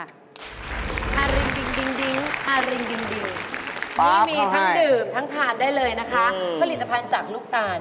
นี่มีทั้งดื่มทั้งทานได้เลยนะคะผลิตภัณฑ์จากลูกตาล